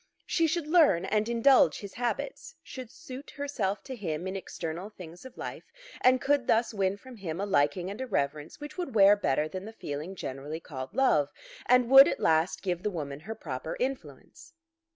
She should learn and indulge his habits, should suit herself to him in external things of life, and could thus win from him a liking and a reverence which would wear better than the feeling generally called love, and would at last give the woman her proper influence.